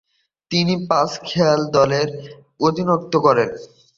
তিনি পাঁচ খেলায় দলের অধিনায়কত্ব করেন।